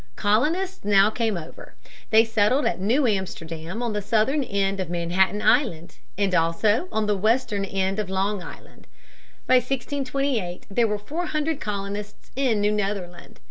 Colonists now came over; they settled at New Amsterdam, on the southern end of Manhattan Island, and also on the western end of Long Island. By 1628 there were four hundred colonists in New Netherland.